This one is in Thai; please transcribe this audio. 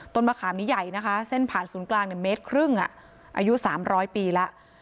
ต้นมะขามนี้ใหญ่นะคะเส้นผ่านศูนย์กลางในเมตรครึ่งอ่ะอายุสามร้อยปีแล้ว